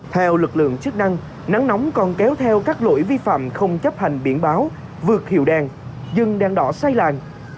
theo lực lượng chức năng nắng nóng còn kéo theo các lỗi vi phạm không chấp hành biển báo vượt hiệu đàn dân đàn đỏ sai làng